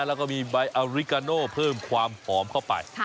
แล้วก็มีใบอาริกาโน่เพิ่มความหอมเข้าไป